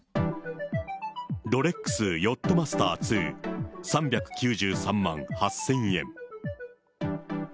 ロレックス・ヨットマスター２、３９３万８０００円。